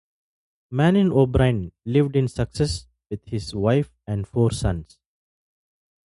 Manning O'Brine lived in Sussex with his wife and four sons.